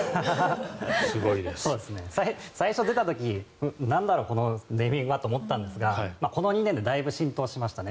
最初出た時なんだろう、このネーミングはと思ったんですがこの２年でだいぶ浸透しましたね。